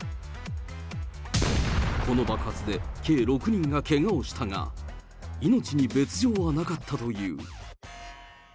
この爆発で計６人がけがをしたが、命に別状はなかったという。